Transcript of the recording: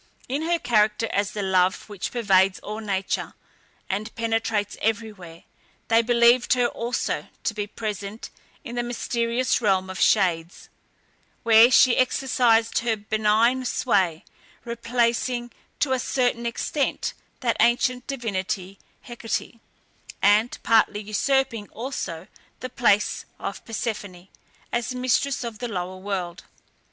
In her character as the love which pervades all nature, and penetrates everywhere, they believed her also to be present in the mysterious Realm of Shades, where she exercised her benign sway, replacing to a certain extent that ancient divinity Hecate, and partly usurping also the place of Persephone, as mistress of the lower world.